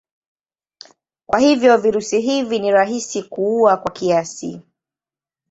Kwa hivyo virusi hivi ni rahisi kuua kwa kiasi.